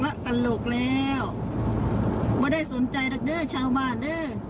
ตลกแล้วไม่ได้สนใจหรอกเด้อชาวบ้านเด้อ